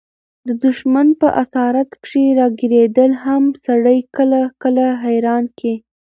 د دښمن په اسارت کښي راګیرېدل هم سړى کله – کله حيران کي.